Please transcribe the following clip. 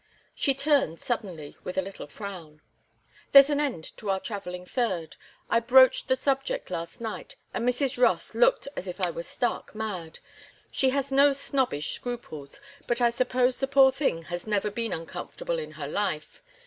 She turned suddenly with a little frown. "There's an end to our travelling third. I broached the subject last night, and Mrs. Rothe looked as if I were stark mad. She has no snobbish scruples, but I suppose the poor thing has never been uncomfortable in her life.